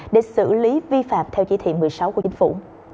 để xử lý vi phạm theo chỉ thị một mươi sáu của chính phủ